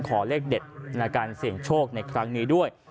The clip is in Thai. ขอเลขเด็ดในการเสี่ยงโชคในครั้งนี้ด้วย